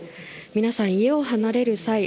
皆さん、家を離れる際